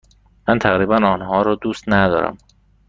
من تقریبا آنها را دوست ندارم.